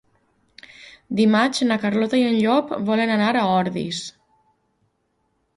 Dimarts na Carlota i en Llop volen anar a Ordis.